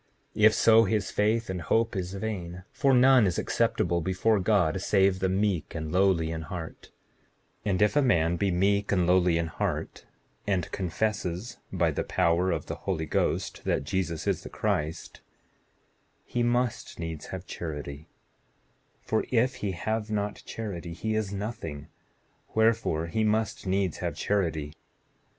7:44 If so, his faith and hope is vain, for none is acceptable before God, save the meek and lowly in heart; and if a man be meek and lowly in heart, and confesses by the power of the Holy Ghost that Jesus is the Christ, he must needs have charity; for if he have not charity he is nothing; wherefore he must needs have charity.